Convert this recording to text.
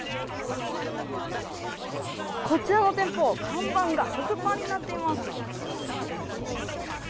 こちらの店舗、看板が食パンになっています。